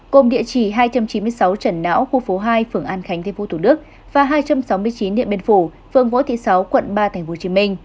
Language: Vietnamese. cùng địa chỉ hai trăm chín mươi sáu trần não khu phố hai phường an khánh tp hcm và hai trăm sáu mươi chín điện biên phủ phường vũ thị sáu quận ba tp hcm